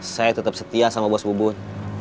saya tetap setia sama bos bubun